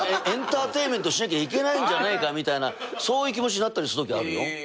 エンターテインメントしなきゃいけないんじゃないかみたいなそういう気持ちになったりするときあるよ。